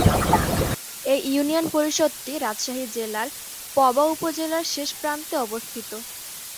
এই ইউনিয়ন পরিষদটি রাজশাহী জেলার পবা উপজেলার শেষ প্রান্তে অবস্থিত।